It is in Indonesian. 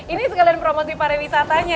ini sekalian promosi para wisatanya ya ini ya